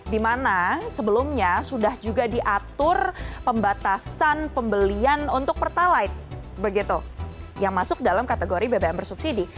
dimana sebelumnya sudah juga diatur pembatasan pembelian untuk pertalite begitu yang masuk dalam kategori bbm bersubsidi